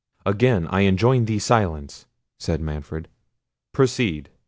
"Again I enjoin thee silence," said Manfred: "proceed."